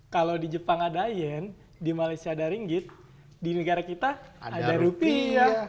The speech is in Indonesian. kalau di jepang ada yen di malaysia ada ringgit di negara kita ada rupiah